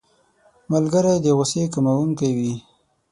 ملګری د غوسې کمونکی وي